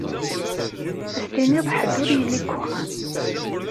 Ad s-tiniḍ ḥedd ur yelli deg uxxam.